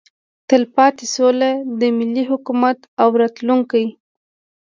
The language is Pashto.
تلپاتې سوله د ملي حاکمیت او راتلونکي